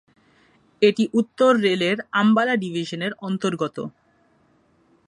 এটি উত্তর রেল-এর আম্বালা ডিভিশনের অন্তর্গত।